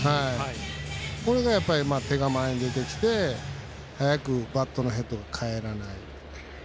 これがやっぱり手が前に入ってきて早くバットのヘッドが返らない。